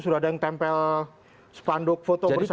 sudah ada yang tempel spanduk foto bersama